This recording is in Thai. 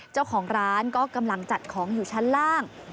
เจ้าของร้านก็กำลังจัดของอยู่ชั้นล่าง